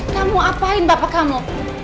kamu ngapain bapak kamu